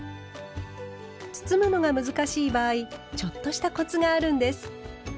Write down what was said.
包むのが難しい場合ちょっとしたコツがあるんです。